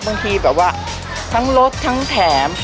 บางทีแบบว่าทั้งรถทั้งแถม